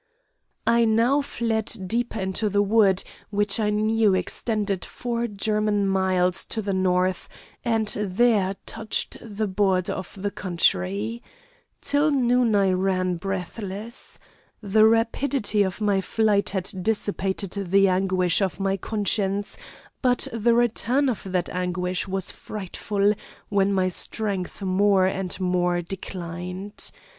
"I now fled deeper into the wood, which I knew extended four German miles to the north, and there touched the border of the country. Till noon I ran breathless. The rapidity of my flight had dissipated the anguish of my conscience, but the return of that anguish was frightful, when my strength more and more declined.